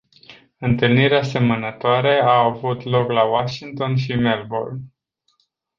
Întâlniri asemănătoare au avut loc la Washington și Melbourne.